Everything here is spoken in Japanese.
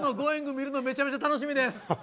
見るの、めちゃめちゃ楽しみです。